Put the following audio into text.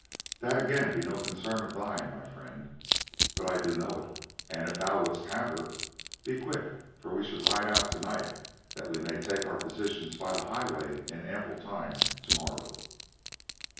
"That again be no concern of thine, my friend, but I do know it, and, if thou wouldst have her, be quick, for we should ride out tonight that we may take our positions by the highway in ample time tomorrow."